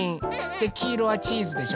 できいろはチーズでしょ。